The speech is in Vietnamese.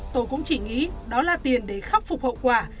tôi cũng chỉ nghĩ đó là tiền để khắc phục hậu quả